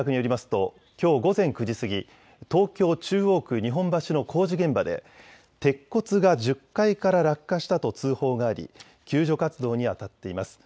ときょう午前９時過ぎ、東京中央区日本橋の工事現場で鉄骨が１０階から落下したと通報があり救助活動にあたっています。